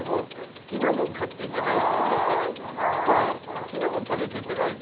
好きなもの食べて頂いて。